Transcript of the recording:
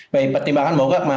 baik pertimbangan magok